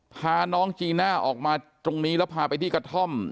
พาน้องจีน่าออกมาตรงนี้แล้วพาไปที่กระท่อม